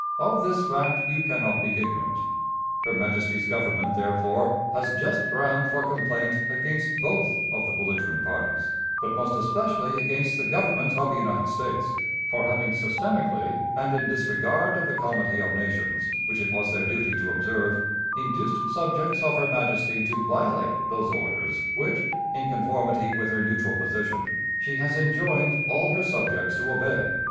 Of this fact you can not be ignorant. Her Majesty's Government, therefore, has just ground for complaint against both of the belligerent parties, but most especially against the Government of the United States, for having systemically, and in disregard of the comity of nations which it was their duty to observe, induced subjects of her Majesty to violate those orders which, in conformity with her neutral position, she has enjoined all her subjects to obey."